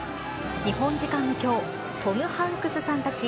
日本時間のきょう、トム・ハンクスさんたち